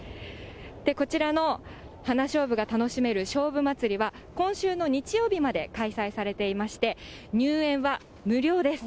こちらの花しょうぶが楽しめる菖蒲まつりは、今週の日曜日まで開催されていまして、入園は無料です。